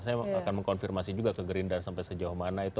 saya akan mengkonfirmasi juga ke gerindra sampai sejauh mana itu